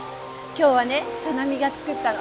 今日はねさなみが作ったの。